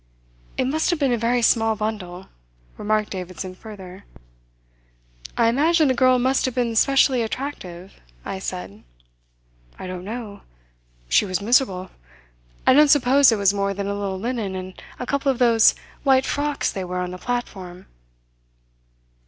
"It must have been a very small bundle," remarked Davidson further. "I imagine the girl must have been specially attractive," I said. "I don't know. She was miserable. I don't suppose it was more than a little linen and a couple of those white frocks they wear on the platform."